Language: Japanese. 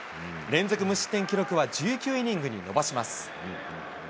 連続無失点記録は１９イニングに伸ばします。